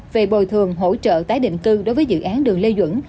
về bồi thường hỗ trợ tái định cư đối với dự án đường lê duẩn